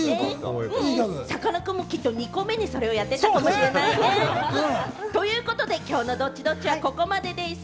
さかなクンもきっと２個目に、それをやってたかもしれないね！ということで今日のＤｏｔｔｉ‐Ｄｏｔｔｉは、ここまでぃす！